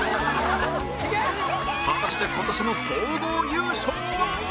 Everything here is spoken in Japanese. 果たして今年の総合優勝は！？